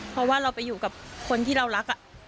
เพราะว่าเราไปอยู่กับคนที่เรารัก